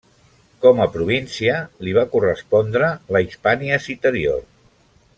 Com a província li va correspondre la Hispània Citerior.